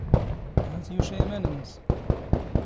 ⵀⴰⵜ ⵢⵓⵛⴰ ⵉⵎⴰⵏ ⵏⵏⵙ.